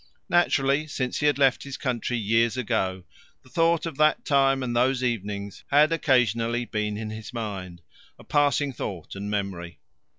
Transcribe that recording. Naturally, since he had left his country years ago, the thought of that time and those evenings had occasionally been in his mind a passing thought and memory.